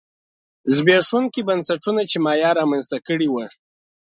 زبېښونکي بنسټونه چې مایا رامنځته کړي وو